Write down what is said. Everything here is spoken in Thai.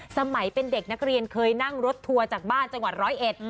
สมัยเป็นเด็กนักเรียนเคยนั่งรถทัวร์จากบ้านจังหวัดร้อยเอ็ด